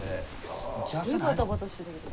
すごいバタバタしてたけど。